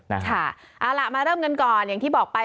เอาล่ะมาเริ่มกันก่อนอย่างที่บอกไป